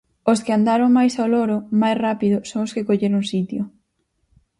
Os que andaron máis ao loro, máis rápido, son os que colleron sitio.